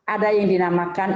ada yang dinamakan